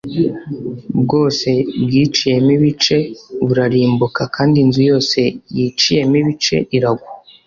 bwose bwiciyemo ibice burarimbuka kandi inzu yose yiciyemo ibice iragwa